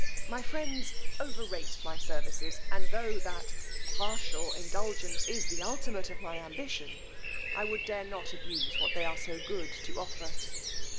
My friends over rate my services; and tho' that partial indulgence is the ultimate of my ambition, I would dare not abuse what they are so good to offer."